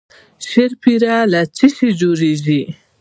شیرپیره له څه شي جوړیږي؟